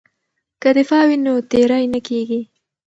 که دفاع وي نو تیری نه کیږي.